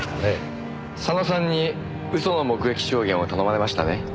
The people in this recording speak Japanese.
佐野さんに嘘の目撃証言を頼まれましたね？